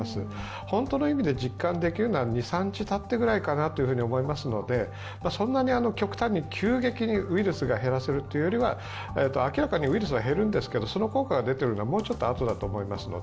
本当に意味で実感できるのは２３日たってからかなと思いますのでそんなに極端に、急激にウイルスが減らせるというよりも、明らかにウイルスは減るんですけど、その効果が出るのはもうちょっとあとだと思います。